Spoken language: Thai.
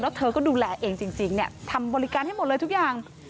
แล้วเธอก็ดูแลเองจริงเนี่ยทำบริการให้หมดเลยทุกอย่าง